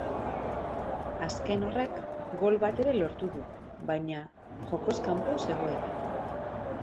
Azken horrek gol bat ere lortu du, baina jokoz kanpo zegoela.